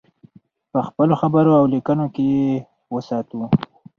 په خپلو خبرو او لیکنو کې یې وساتو.